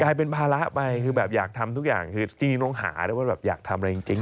เป็นภาระไปคือแบบอยากทำทุกอย่างคือจี้ต้องหาด้วยว่าแบบอยากทำอะไรจริง